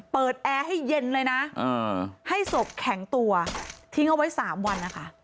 แอร์ให้เย็นเลยนะให้ศพแข็งตัวทิ้งเอาไว้๓วันนะคะ